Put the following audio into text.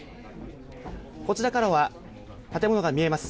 こちらからは建物が見えます。